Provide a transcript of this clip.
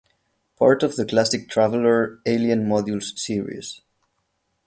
Part of the classic "Traveller" Alien Modules series.